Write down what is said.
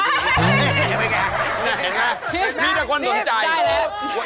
มีแต่คนนุ่นใจ